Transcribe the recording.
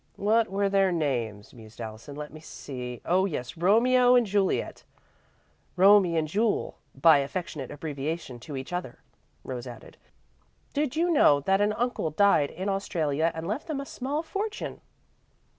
"What were their names?" mused Allison. "Let me see. Oh, yes, Romeo and Juliet." "'Romie' and 'Jule' by affectionate abbreviation, to each other," Rose added. Did you know that an uncle died in Australia and left them a small fortune